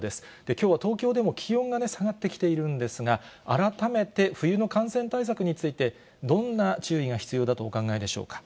きょうは東京でも気温が下がってきているんですが、改めて、冬の感染対策について、どんな注意が必要だとお考えでしょうか。